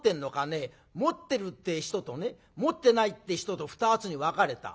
持ってるってえ人と持ってないってえ人と２つに分かれた。